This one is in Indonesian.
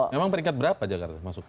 memang peringkat berapa jakarta